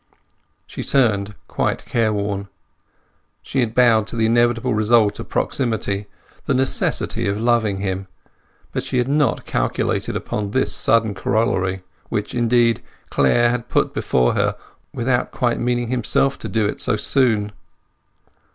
She turned quite careworn. She had bowed to the inevitable result of proximity, the necessity of loving him; but she had not calculated upon this sudden corollary, which, indeed, Clare had put before her without quite meaning himself to do it so soon.